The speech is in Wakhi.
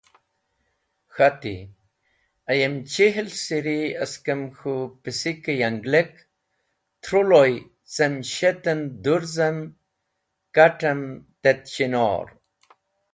K̃hati, ayem chihl siri askem k̃hũ pisek yanglek truloy cem shet en dũrzem kat̃em tet chinor.